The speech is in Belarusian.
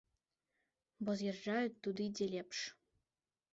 Бо з'язджаюць туды, дзе лепш.